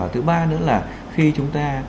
thứ ba nữa là khi chúng ta